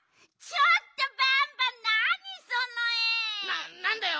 ななんだよ！